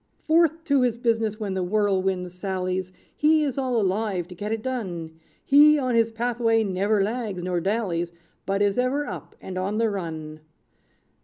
"Forth to his business when the Whirlwind sallies, He is all alive to get it done; He on his pathway never lags nor dallies; But is ever up, and on the run.